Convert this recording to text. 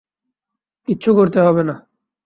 কিচ্ছু করতে হবে না।